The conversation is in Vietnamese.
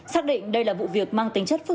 xác định đây là vụ việc mang tính chất phức